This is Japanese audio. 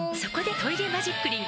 「トイレマジックリン」